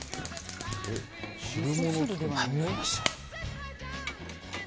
はい、入れました。